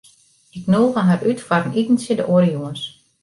Ik nûge har út foar in itentsje de oare jûns.